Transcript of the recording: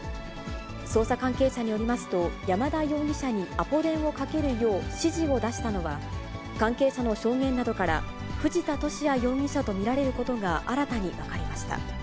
捜査関係者によりますと、山田容疑者にアポ電をかけるよう指示を出したのは、関係者の証言などから、藤田聖也容疑者と見られることが新たに分かりました。